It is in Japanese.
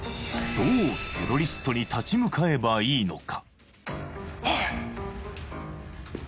どうテロリストに立ち向かえばいいのか？